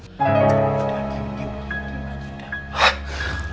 udah diam udah diam